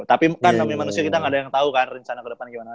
tapi kan namanya manusia kita gak ada yang tau kan rencana ke depannya gimana